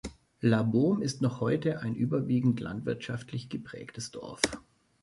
La Baume ist noch heute ein überwiegend landwirtschaftlich geprägtes Dorf.